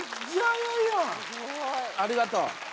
ありがとう！